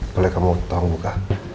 boleh kamu tolong buka